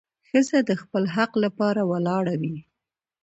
ښځه د خپل حق لپاره ولاړه وي.